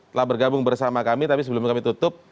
telah bergabung bersama kami tapi sebelum kami tutup